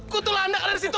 kutu landak ada di situ